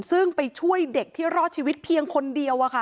ซึ่งไปช่วยเด็กที่รอดชีวิตเพียงคนเดียว